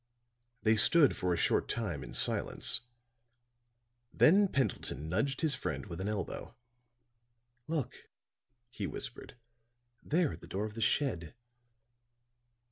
They stood for a short time in silence; then Pendleton nudged his friend with an elbow. "Look," he whispered. "There at the door of the shed."